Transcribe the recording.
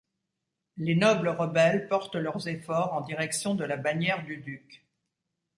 Les nobles rebelles portent leurs efforts en direction de la bannière du duc.